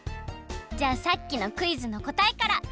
じゃあさっきのクイズのこたえから。